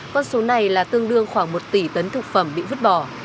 con số này là tương đương khoảng một tỷ tấn thực phẩm bị vứt bỏ